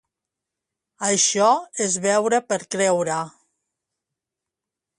Això és veure per creure